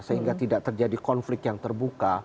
sehingga tidak terjadi konflik yang terbuka